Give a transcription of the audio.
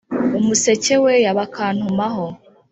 Umuseke weya bakantumaho :